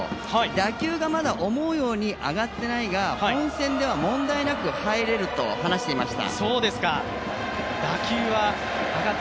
野球がまだ思うように上がっていないが本戦では問題なく入れると話していました。